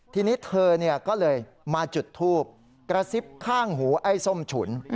ทีนี้เธอก็เลยมาจุดทูบกระซิบข้างหูไอ้ส้มฉุน